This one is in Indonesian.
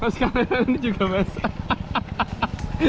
mas kameramen juga basah